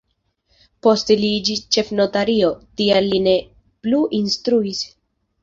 Poste li iĝis ĉefnotario, tial li ne plu instruis.